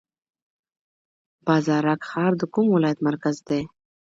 بازارک ښار د کوم ولایت مرکز دی؟